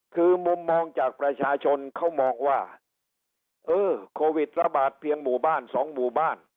คือมุมมองจากประชาชนเขามองว่าเออโควิดระบาดเพียงหมู่บ้านสองหมู่บ้าน